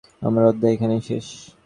আমার অধ্যায় এখানেই শেষ।